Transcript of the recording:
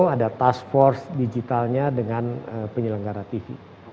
ada task force digitalnya dengan penyelenggara tv